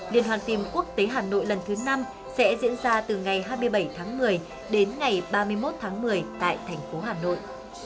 liên hoàn phim quốc tế hà nội lần thứ năm sẽ diễn ra từ ngày hai mươi bảy tháng một mươi đến ngày ba mươi một tháng một mươi tại thành phố hà nội